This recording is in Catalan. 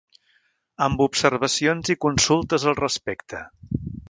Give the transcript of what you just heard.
Amb observacions i consultes al respecte.